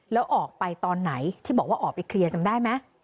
แล้วออกไปตอนไหนที่บอกว่าออกไปเคลียร์จำได้ไหม